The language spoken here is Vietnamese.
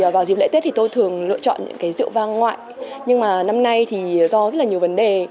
vào dịp lễ tết thì tôi thường lựa chọn những cái rượu vang ngoại nhưng mà năm nay thì do rất là nhiều vấn đề